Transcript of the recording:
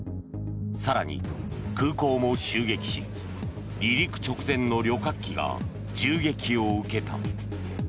更に空港も襲撃し離陸直前の旅客機が銃撃を受けた。